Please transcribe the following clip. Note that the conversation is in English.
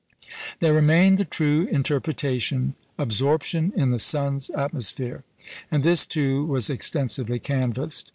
There remained the true interpretation absorption in the sun's atmosphere; and this, too, was extensively canvassed.